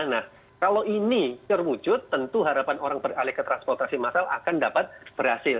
nah kalau ini terwujud tentu harapan orang beralih ke transportasi massal akan dapat berhasil